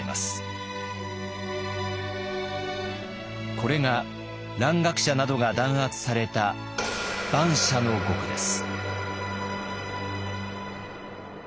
これが蘭学者などが弾圧された蛮社の獄です。